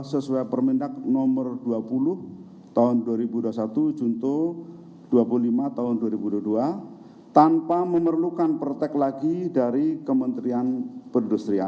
sesuai permendak nomor dua puluh tahun dua ribu dua puluh satu junto dua puluh lima tahun dua ribu dua puluh dua tanpa memerlukan pertek lagi dari kementerian perindustrian